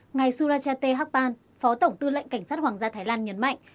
ngài surajate hakpan phó tổng tư lệnh cảnh sát hoàng gia thái lan nhấn mạnh